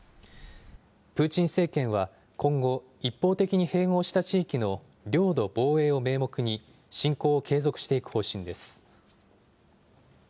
プーチン政権は今後、一方的に併合した地域の領土防衛を名目に侵攻を継続していく方針です。